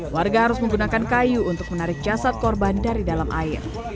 warga harus menggunakan kayu untuk menarik jasad korban dari dalam air